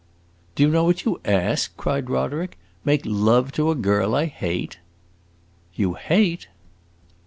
"Do you know what you ask?" cried Roderick. "Make love to a girl I hate?" "You hate?"